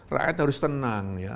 rakyat harus tenang ya